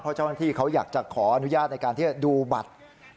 เพราะเจ้าหน้าที่เขาอยากจะขออนุญาตในการที่จะดูบัตร